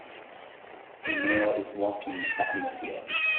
A male is walking out in the field